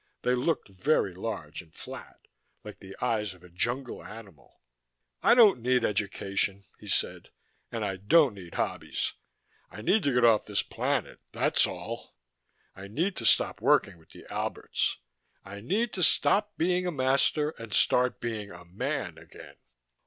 They looked very large and flat, like the eyes of a jungle animal. "I don't need education," he said. "And I don't need hobbies. I need to get off this planet, that's all. I need to stop working with the Alberts. I need to stop being a master and start being a man again."